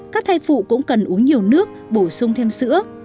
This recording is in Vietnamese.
các thai phụ cũng cần uống nhiều nước bổ sung thêm sữa